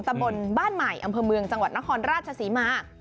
ตำบลบ้านใหม่อำเภอเมืองจังหวัดนครราชศรีมา